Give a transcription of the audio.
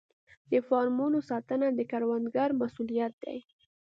د فارمونو ساتنه د کروندګر مسوولیت دی.